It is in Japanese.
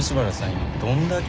今「どんだけ？」